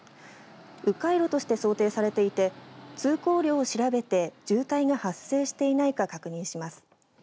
う回路として想定されていて通行量を調べて渋滞が発生していないか確認します。